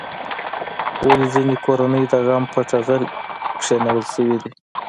ولې ځینې کورنۍ د غم په ټغر کېنول شوې دي؟